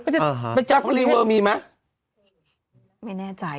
ทราบฟาลี่วัลมีไหม